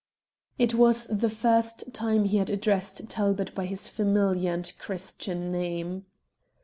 It was the first time he had addressed Talbot by his familiar and Christian name.